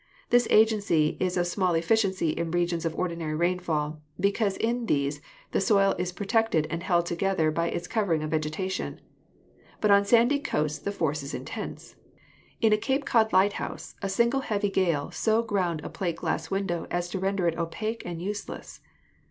This agency is of small efficiency in regions of ordinary rainfall, because in these the soil is protected and held together by its covering of vegetation, but on sandy coasts the force is intense. In a Cape Cod lighthouse a single heavy gale so ground a plate glass window as to render it opaque and useless.